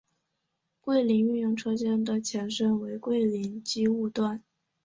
桂林运用车间的前身为桂林机务段。